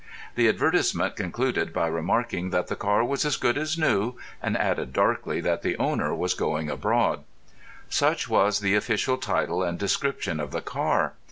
The advertisement concluded by remarking that the car was as good as new, and added darkly that the owner was going abroad. Such was the official title and description of the car.